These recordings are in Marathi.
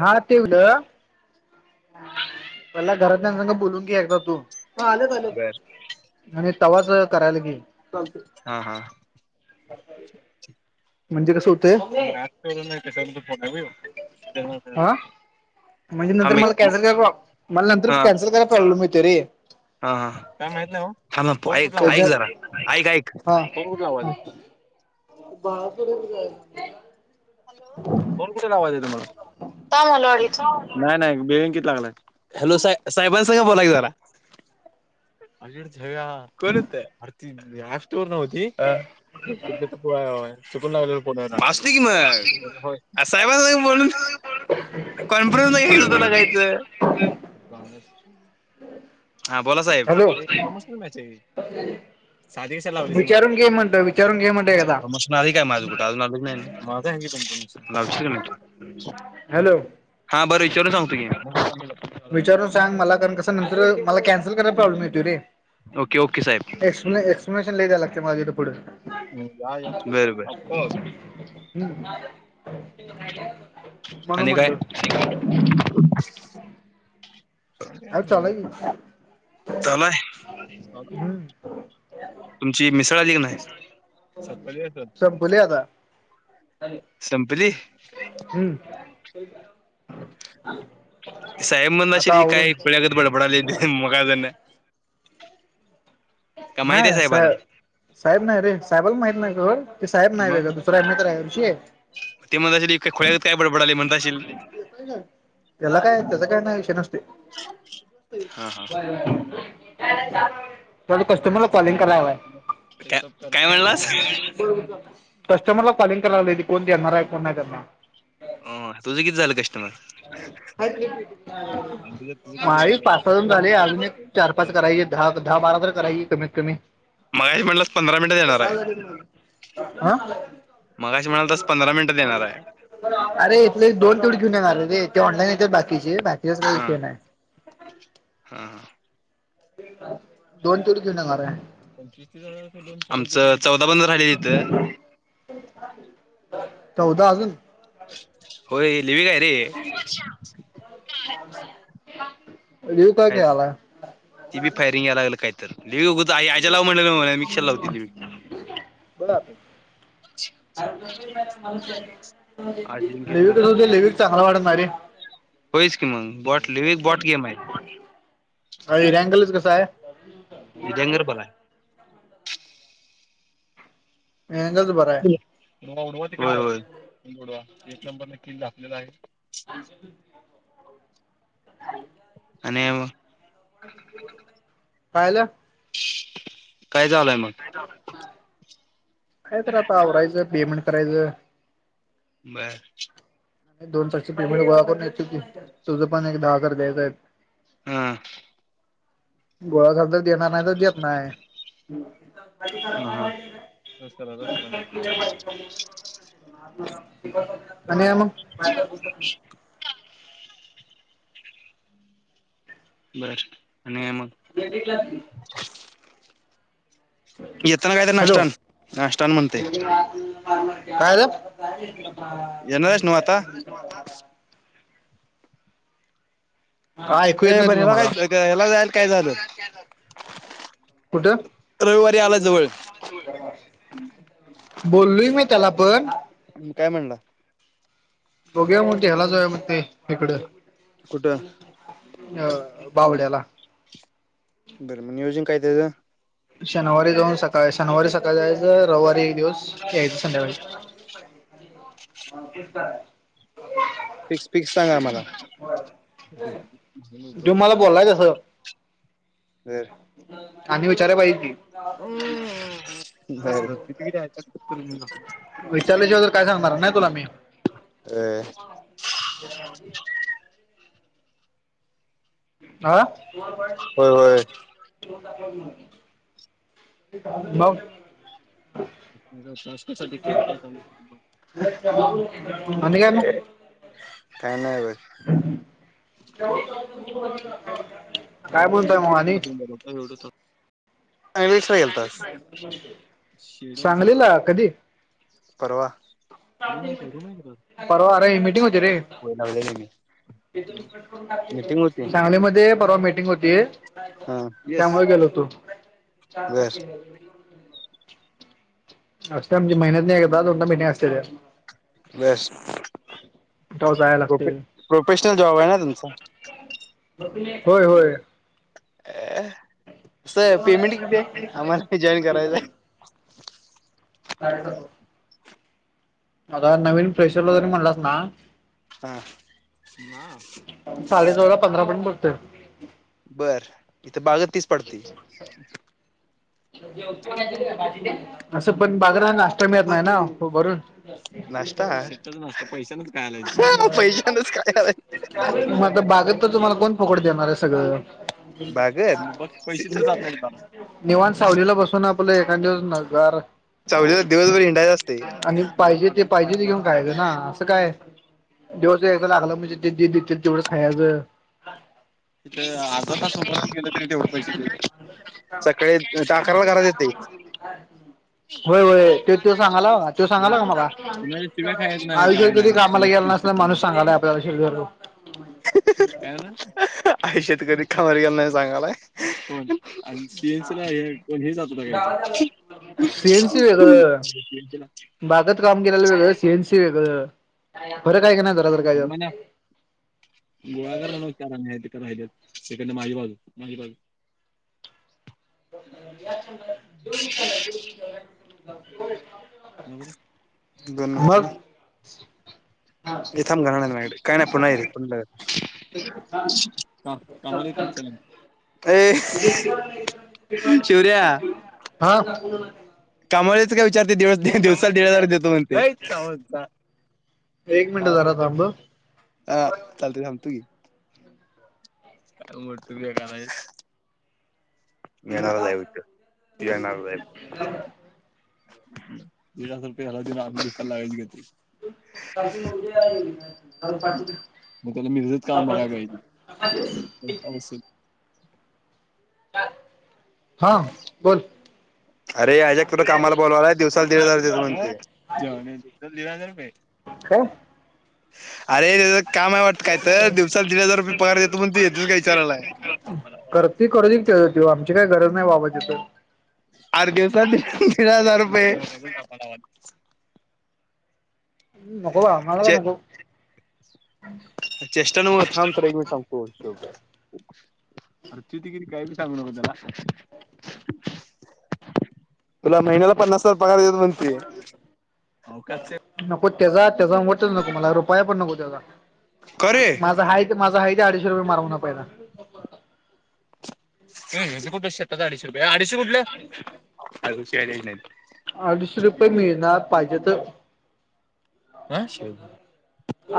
हा तेवलं. मला घरातल्या संग बोलून घे एकदा तू. आल्यात बर आल्यात आणि तवाच करायला गे. चालतय. हा हा म्हणजे कस हुतंय नाही. किसन चा फोन हाय व्हय यो. हा. म्हणजे नंतर थांब एक मला कॅन्सल करा मला नंतर हा कॅन्सल करायला प्रॉब्लेम येतोय रे. [inaudible] हा हा. काय माहित नाही ओ? हा ऐक त्याच्या ऐक जरा ऐक ऐक फोन कुठ लावायचं हाय? भावाकडे एक जायच हॅलो. फोन कुठे लावायच तुम्हाला? [unintelligible] नाही नाही. बेळंकी लागलाय. हॅलो. साहेबा साहेबांसंग बोला की जरा, कोण हुत? [unintelligible] नव्हती [unintelligible] चुकून लागलं फोन यांना असू दे की मग. होय. साहेबां संग बोलून कॉन्फरन्स घ्यायचं, तुला घ्यायचं. पावण्यास हा. बोला साहेब हॅलो ते प्रमोशनल मॅच हाय. साधी कशा लावलीस मग? विचारून घे म्हणलं विचारून घे म्हणलं एकदा प्रमोशन आलय माझं कुठं अजून आलंच नाही. माझ हाय की तुमचं तुमचं हॅलो. हा. बरं विचारून सांगतो घे. विचारून सांग मला कारण कस नंतर मला कॅन्सल करायला प्रॉब्लेम येतो रे ओके ओके साहेब एक्सप्लेशन लई द्यायला लागतय मला पुढे तिथ. या या. बर बर. ऑफकोर्स. हम्म. म्हणून आणि काय म्हटलं. [inaudible] अरे चालाय की चालू हाय. हम्म तुमची मिसळ आली काय नाय? सपली असल. संपली आता. संपली. हम्म. साहेब म्हण असल आता की काय आवरून खळ्यागत बडबडालीत मगा धरण का माहिती आहे नाही सा साहेबाला साहेब नाही रे. साहेबला माहित नाही सोड. ते साहेब मग नाही ्य तर आहे वर्षी आहे. ते म्हणत असेलय खोळ्यात काय बडबडले म्हण असेल. त्याला काय त्याचा काय नाही विषय नसते. हा हा थड कस्टमरला पैसा कॉलिंग कामाला येतो कराव तुला. काय म्हणलास कस्टमरला कॉलिंग कराय लाली त कोण येणार आहे कोण नाही करणार अ तुझं किती झालं कस्टमर आमच्या माळी पाच सजून तुझं झाली अजून एक चार पाच करायचे. दहा दहा बारा तर करायची कमीत कमी मगाशी म्हणलास पंधरा मिनिटं देणार आहे [unintelligible] मगा अस म्हणाला तसंधरा मिनट देणार आहे अरे इथले दोन तेवटी घेऊन येणार आ रे ते ऑनलाईन येतच बाकीचे बाकीच काही हा फेण आहे. हा हा दोन तूर घेऊ ना म आहे. पंस आमचं चौदा बंद राहिलं इथं चौदा अजून हो लिवी काय रे यु का ख फायर- हल ती फयरिंगय लालं काहीत बोला हे अजिंक्य लोक कस होताय लेडीज चांगला वाटत नाहि रे होईच की मग बॉट लिविक बॉट गेम आहे. अ रँगलच कसा आहे विजयगरपलाय मगच बर एक नंबर न किल ढापलेलं आहे. आ [unintelligible] आणि काय मग काय झाल काय चालू आहे मग काय तर आता आवरायचं पेमेंट करायचं बर. दोन जागच पेमेंट गोळा करून येतो की तुझं पण एक दहा हजार द्यायचं आहेत. हम् गोळा झाल तर देणार नाही तर देत नाही. हा हा रस करा रस करा मी [inaudible] आणि बंद काय मग आहे बर आणि काय मग ग्लास घे [unintelligible] येताना काय तर नाष्टा हॅलो आण नाष्टा आण म्हणते. काय झालं. येणार आहेस नव्ह आता काय ऐकू येत ए नाही बरं तुझं ह्याला मला काय ग- ह्याला जायला काय झालं कुठे रविवारी आला जवळ बोललोय मी त्याला पण काय म्हणला बघुया मग ते ह्याला जाऊया मग ते इकडे कुठं अ बावड्याला बर म नीयोज काय चं शनिवारी जाऊन सकाळ शनिवारी सकाळी जायचं रविवारी एक दिवस यायच संध्याकाळी तेच फिक्स फिक्स सांगा आम्हाला क [unintelligible] तो बर मला बोलाय तसं [unintelligible] की [unintelligible] बर, किती किती [unintelligible] विचारल्याशिवाय तर काय सांगणार नाय तुला मी. होय. [unintelligible] आ, होय होय [unintelligible] [unintelligible] मग. ह्या टास्क साठी काय काय काम [unintelligible] बग. आणि काय मग काय नाही बग. [unintelligible] झाल मग आणि [unintelligible] एवढच. काय विचारायला गेलतास, [unintelligible] झाला. सांगलीला कधी परवा, रूम आहे काय रूम आहे काय बघ. परवा अरे ऐ मी टि होती रे, मी त्याच मी काट करून मीटिंग होती टाकले [unintelligible] सांगलीमध्ये परवा मिटिंग होती, हा त्यामुळे गेलो होतो. चार बर टक्के [unintelligible] असत्या म्हणजे महिन्यात न एकदा दोनदा मीटिंग असत्या रे. बस. तेव्हा जायला प्रफे, लागते प्रोफेशनल जॉब आहे ना तुमचा. प्रथिने, होय होय. अ, असये पेमेंट किती आहे, आम्हाला जॉईन करायचं आहे. खायचा प आता नवीन फ्रेशरला जरी म्हणलास ना. हा, मा. साडे नऊला पंधरा मिनिट बसतय. बर, इथ बागत तीस पडतय. [unintelligible] असं पण बागला नाष्टा मिळत नाही ना उभ राहुन. नाशता [unintelligible] पैशानच खायाला यायचं, पैशानच खायाला, काय मग आता फुकट बागेत तर तुम्हाला कोण फुकट देणार आहे सगळं, बागत मग बघ पैसे तर जात [unintelligible] नाहीत बाबा निवांत सावलीला बसून आपलं एखानद्या वेळेस नजारा चवलीला दिवसभर हिंडायचं असते आणि गाड पाहिजे ते पाठून पाहिजे पाठ ते घेऊन जाते खायाचं काय ना. काय, दिवस एकदा लागलं म्हणजे ते देत्यात तेवढंच खायाचं. तीत अर्धा तास उभा राहून केलं तरी तेवढं पैशे [inaudible] सकाळी दहा आकरला घरात येतोय. होय होय त्यो तो सांगाला तो आणि सांगाला का मला, कुणाच्या शिव्या आयुष्यात कधी कामाला खायला गेला नस माणूस सांगालाय आपल्याला [unintelligible] काय म्हणून. आय शेतकरी कामाला गेला नाही सांगालाय, कोण? सी एन सीला हे कोण हे जात होता काय हेनचा, सीएनसी सी वेगळं एन सीला. बागात काम केलेला वेगळं सी एन सी वेगळं, फरक हाय का नाही जरातर कायतर. म्हणा गोळाकार म्हणून [unintelligible] राहिलेल, तिकड न माझी बाजू, माझी बाजू. [unintelligible] घेऊन ये त्याला घेऊन ये [unintelligible] बनवते. [inaudible] ऐ थाम घरा नाही मायाकडे काय नाही पुन्हा ये रे, पुन्हा का कामाला [unintelligible] ए शिवऱ्या [unintelligible] आ. काम वाल्याच काय विचारते दि दिवसा दीड हजार देतो म्हणते, [unintelligible] एक मिनिट काय जरा मोठं थांब. हा चालतय थांबतो की, काय मोठं फेकालाईस मी येणारच आहे, येणार आहे. द रुपे हज आप लागायची गती पा मग त्याला मीरजत काम बघायला पाहिजेल. [unintelligible] हा बोल अरे अजक तुला कामाला बोलवालाय दिवसाला दीड हजार देतात म्हण, दीड हजार रुपये काय? अरे तेजं काम आहे वाट काय तर, दिवसात दीड हजार रुपये पगार देतो म्हणायलायज्ञतू येतोस काय विचारालाय. करती करू आमची काही गरज नाही बाबा तिथं अरे देतात ते दीड हजार रुपये. नको बा आमाला काय नको. चेष्टेन नवं थांम तुला एक मिनिट सांगतो. अर तु तरी काय बी सांगु नको त्याला. तुला महिन्याला पन्नास हजार पगार देतात म्हण की, नको त्याचा त्याचा वटच नको मला, रुपया पण नको त्याचा, का रे? माझा हाय माझा आहे ते अडीशे रुपय मार म्हणाव पहिला. हेच कुठलं शेताचं, अडीचशे रुपये ये अडीचशे कुठलं? अडीचशे रुपये मिळणार पाहिजे तर ह शे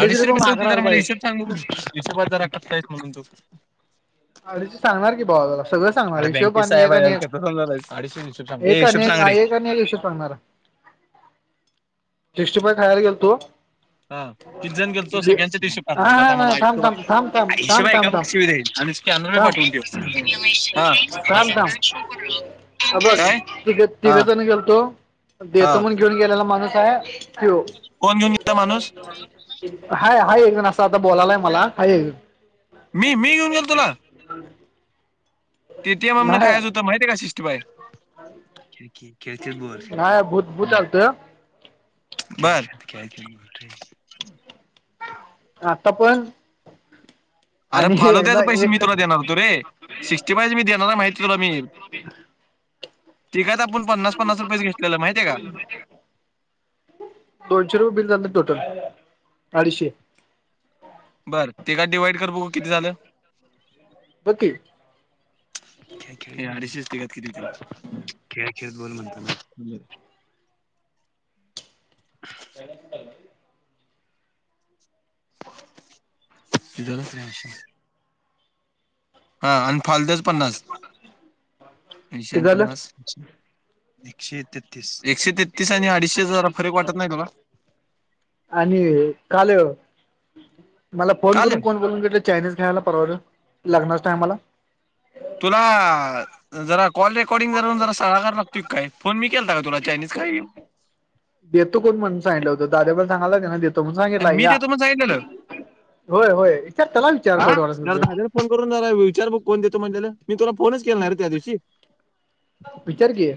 अडीचशे रुपये रुपयेच होते, तर माघारायला मला पाहिजे हिशोब सांग बघु. हिशोबात जरा कचा आहेस म्हणून तू. अडीशे सांगणार की भावा तुला सगळं सांगणार, अरे हिशोब बँकेत आणि साहेब एक आहे आणि एक बँकेत कसं झालंय अडीचशे हिशोब सांग ए एक हिशोब आणि एक, सांग रे एक आणि एक हिशोब सांगणार. सिक्स्टीफाय खायला गेलतो हा किती जण गेलतो बी सगळ्यांचा हिशोब हा काढायचं हा आता हा मला थांब हिशोब, थांब थांब थांब अरे हिशोब थांब एका थांब फक्त थांब मग शिवी द्यायचं स्कॅनर वर थांब पाठवून ठेव, हा आवाज आवाज अ बघ तिघ तिघंजण गेलतो, देतो हा म्हणुन घेऊन गेलेला माणूस आहे ज्यो कोण घेऊन गेला माणूस हाय हाय एकजण असं आता बोलालाय मला हाय एकजण मी, मी घेऊन गेलतो तुला? हा [unintelligible] टी टी एम एम नं खायाच होत माहिती हाय काय सिक्सटीफाय? नाही भूत भूत आलतं. बर आता पण अरे आणि फालुद्याच एकदा पैशे मी एक तुला देणार अरे सिक्सटीफायच मी देणार आहे माहित आहे तुला मी ते पण पन्नास पन्नास रुपयचं घेतलेल माहिती आहे का? दोनशे रुपये बिल झालत टोटल, अडीचशे. बर, तिघात डिवाइड कर बघु किती झालं? बघ कि, [unintelligible] [unintelligible] धलच रे मश [unintelligible] हा आणि फालुद्याच पन्नास, ऐंशी ते आणि झालं पन्नास एकशे तेतीस, एकशे तेतीस आणि अडीचशे च जरा फरक वाटत नाही तुला? आणि काल मला फोन काल करून कोण बोलवुन घेतल चायनीज खायला परवा लग्नाच्या टायमाला? तुला जरा कॉल रेकॉर्डिंग करुन जरा सगळा कर ना. ठिक आहे. फोन मी केलता काय तुला चायनीज खायला ये. देतो कोण म्हणून सांगितलं होत. दाद्या पण सांगालाय की नाही देतो. म्हणून मी सांगितलाया. देतो म्हणून सांगितलेलं होय होय विचार त्याला विचार हा खोट वाटत जरा असेल तर. दादाला फोन करून जरा विचार बघु कोण देतो म्हणलेल. मी तुला फोनच केला नाही रे त्या दिवशी. विचार कि.